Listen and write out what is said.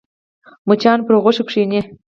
مچان پر غوښو کښېني